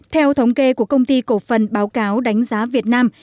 theo thống kê của công ty cổ phần báo cáo đánh giá việt nam